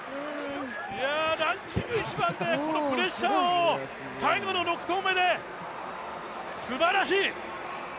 ランキング１番でこのプレッシャーを、最後の６投目ですばらしい！